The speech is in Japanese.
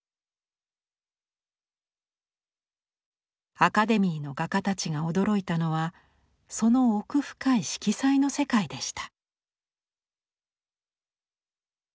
アカデミーの画家たちが驚いたのはその奥深い色彩の世界でした。